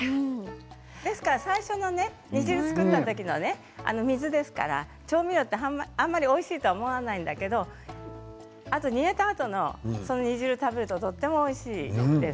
最初の煮汁を作った時の水ですから調味料が、あまりおいしいと思わないんですけれど煮たあとの煮汁を食べるととてもおいしいんです。